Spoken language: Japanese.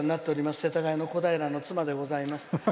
世田谷の小平の妻でございます。